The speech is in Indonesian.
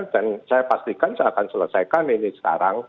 dan saya pastikan saya akan selesaikan ini sekarang